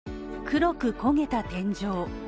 黒く焦げた天井。